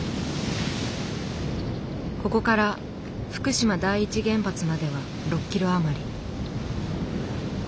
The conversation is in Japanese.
ここから福島第一原発までは６キロ余り。